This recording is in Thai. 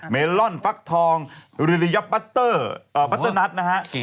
เมลอนฟักทองริริยับบัตเตอร์บัตเตอร์นัทนะฮะ